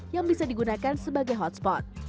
yang bisa digunakan sebagai hotspot